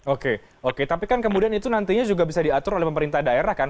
oke oke tapi kan kemudian itu nantinya juga bisa diatur oleh pemerintah daerah kan